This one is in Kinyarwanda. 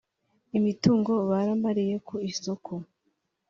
imitungo baramariye ku isoko